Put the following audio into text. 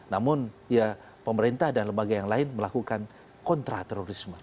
namun ya pemerintah dan lembaga yang lain melakukan kontra terorisme